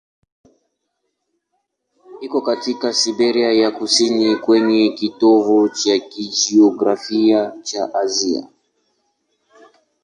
Iko katika Siberia ya kusini, kwenye kitovu cha kijiografia cha Asia.